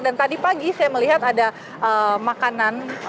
dan tadi pagi saya melihat ada makanan